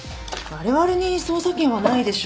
われわれに捜査権はないでしょ。